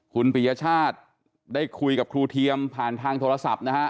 คุณปียชาติได้คุยกับครูเทียมผ่านทางโทรศัพท์นะฮะ